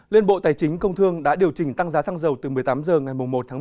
liên bộ tài chính công thương đã điều chỉnh tăng giá xăng dầu từ một mươi tám h ngày một tháng năm